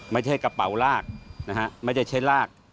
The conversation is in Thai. ไม่ใช่กระเป๋าลากนะฮะไม่ใช่ใช้ลาก